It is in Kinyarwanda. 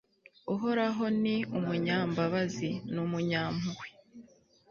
uhoraho ni umunyambabazi n'umunyampuhwe